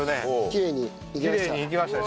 きれいにいきました。